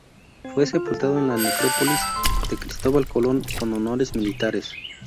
Fue sepultado en la Necrópolis de Cristóbal Colón, con honores militares.